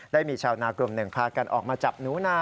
ได้มีชาวนากลุ่มหนึ่งพากันออกมาจับหนูนา